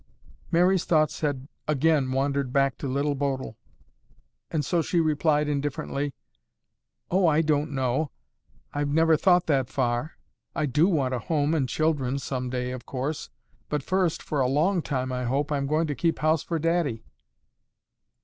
Mary's thoughts had again wandered back to Little Bodil and so she replied indifferently, "Oh, I don't know. I've never thought that far. I do want a home and children, someday, of course, but first, for a long time, I hope, I'm going to keep house for Daddy."